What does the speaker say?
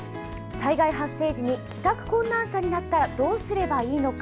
災害発生時に帰宅困難者になったらどうすればいいのか。